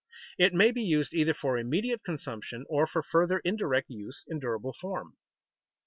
It may be used either for immediate consumption or for further indirect use in durable form.